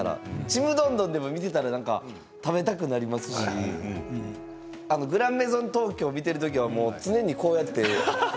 「ちむどんどん」でも見ていたら食べたくなりますし「グランメゾン東京」を見ているときは常に手をこうやって。